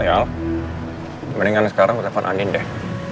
lial mendingan sekarang aku telepon anin deh